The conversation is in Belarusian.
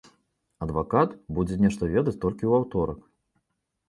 Адвакат будзе нешта ведаць толькі ў аўторак.